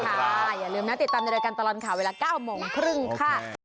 อย่าลืมนะติดตามในรายการตลอดข่าวเวลา๙โมงครึ่งค่ะ